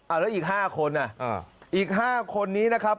แล้วอีก๕คนอ่ะอีก๕คนนี้นะครับ